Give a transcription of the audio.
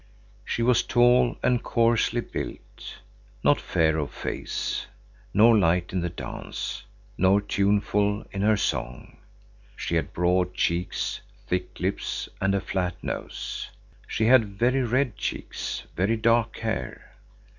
She was tall and coarsely built, not fair of face, nor light in the dance, nor tuneful in her song. She had broad cheeks, thick lips and a flat nose. She had very red cheeks, very dark hair.